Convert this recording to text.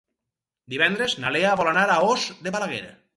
Divendres na Lea vol anar a Os de Balaguer.